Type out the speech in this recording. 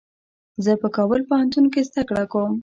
زه په کابل پوهنتون کي زده کړه کوم.